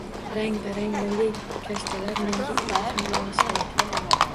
Rang-barang milliy kashtalar menga ilhom bag‘ishlaydi